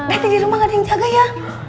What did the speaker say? berarti di rumah gak ada yang jaga ya